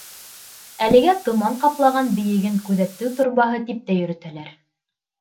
Әлегә томан ҡаплаған бейеген Күҙәтеү торбаһы тип тә йөрөтәләр.